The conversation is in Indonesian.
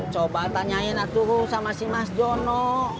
coba tanyain aku sama si mas jono